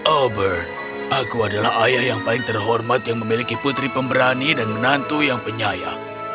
over aku adalah ayah yang paling terhormat yang memiliki putri pemberani dan menantu yang penyayang